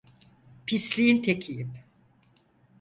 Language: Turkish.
Pisliğin tekiyim.